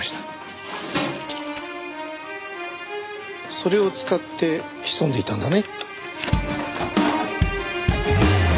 それを使って潜んでいたんだね？